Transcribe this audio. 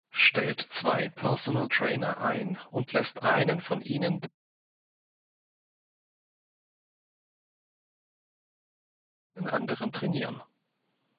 Stellt zwei Personal Trainer ein und lässt einen von ihnen den anderen trainieren.